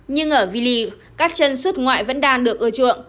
nhưng ở vally các chân xuất ngoại vẫn đang được ưa chuộng